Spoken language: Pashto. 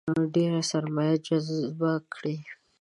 ډېره سرمایه جذبه کړي.